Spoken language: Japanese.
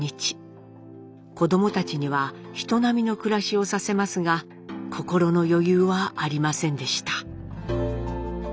子どもたちには人並みの暮らしをさせますが心の余裕はありませんでした。